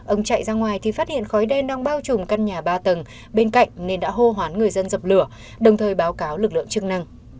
ông chạy ra ngoài thì phát hiện khói đen đang bao trùm căn nhà ba tầng bên cạnh nên đã hô hoán người dân dập lửa đồng thời báo cáo lực lượng chức năng